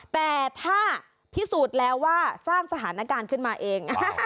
แต่ถ้าพิสูจน์แล้วว่าสร้างสถานการณ์ขึ้นมาเอง